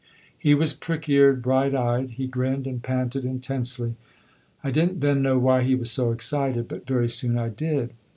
He was prick eared, bright eyed; he grinned and panted intensely. I didn't then know why he was so excited, but very soon I did.